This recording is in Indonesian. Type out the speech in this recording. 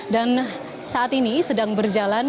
dan saat ini sedang berjalan